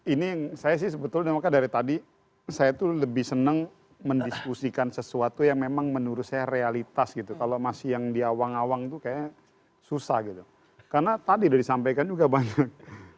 ini saya sih sebetulnya dari tadi saya tuh lebih seneng mendiskusikan sesuatu yang memang menurut saya realitas gitu kalau masih yang di awang awang itu kayaknya susah gitu karena tadi udah disampaikan juga banyak